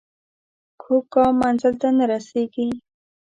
کوږ ګام منزل ته نه رسېږي